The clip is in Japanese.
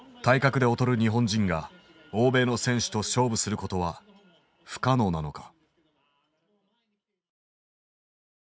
体格で劣る日本人が中長距離で欧米の選手と勝負することは不可能なのか。